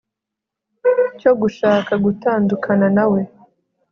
cyo gushaka gutandukana na we